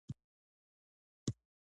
د پاچا د باور وړ کسانو ځمکې ترلاسه کړې.